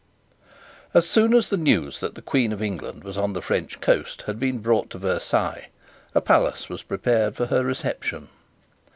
As soon as the news that the Queen of England was on the French coast had been brought to Versailles, a palace was prepared for her reception.